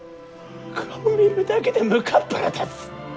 顔見るだけでむかっぱら立つ！